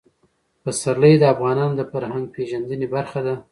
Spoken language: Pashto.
پسرلی د افغانانو د فرهنګي پیژندنې برخه ده.